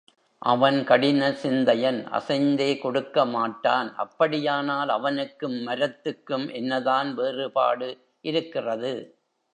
அவன் கடின சிந்தையன் அசைந்தே கொடுக்க மாட்டான் அப்படியானால் அவனுக்கும் மரத்துக்கும் என்னதான் வேறுபாடு இருக்கிறது?